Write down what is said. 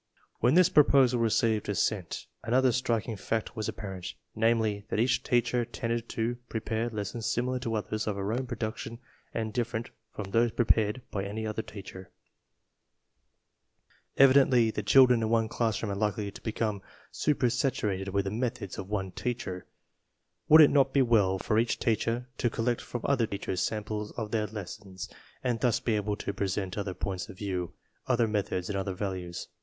When this proposal received assent, another striking fact was apparent; namely, that each teacher tended to prepare lessons similar to others of her own production and dif ferent from those prepared by any other teacher. Evi INSTRUCTION IN ADJUSTMENT ROOMS 55 dently the children in one classroom are likely to be come super saturated with the "methods" of one teacher. Would it not be well for each teacher to col lect from other teachers samples of their lessons and thus be able to present other points of view, other "methods," and other values?